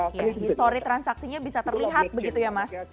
history transaksinya bisa terlihat begitu ya mas